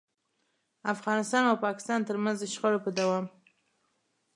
افغانستان او پاکستان ترمنځ د شخړو په دوام.